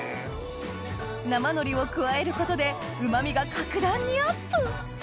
生海苔を加えることでうま味が格段にアップ